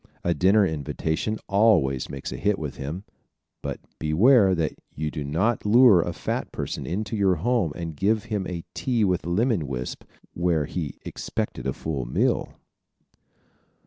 A dinner invitation always makes a hit with him, but beware that you do not lure a fat person into your home and give him a tea with lemon wisp where he expected a full meal!